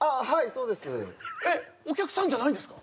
そうですえっお客さんじゃないんですか？